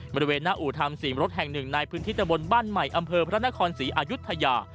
บริเวณหน้าอู่ธรรมศรีมรถแห่งหนึ่งในพื้นที่ตะบนบ้านใหม่อำเภอพระนครศรีอายุทยา